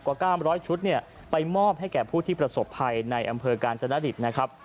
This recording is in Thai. กว่า๙๐๐ชุดเนี่ยไปมอบให้แก่ผู้ที่ประสบภัยในอำเภอกาญจนดิตนะครับ